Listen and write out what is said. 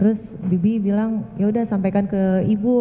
terus bibi bilang yaudah sampaikan ke ibu